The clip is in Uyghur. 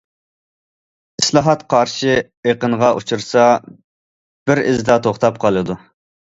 ئىسلاھات قارشى ئېقىنغا ئۇچرىسا، بىر ئىزدا توختاپ قالىدۇ.